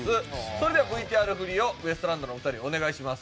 それではＶＴＲ振りをウエストランドのお二人お願いします。